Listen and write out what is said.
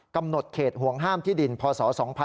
กำหนดเขตห่วงห้ามที่ดินพศ๒๕๖๒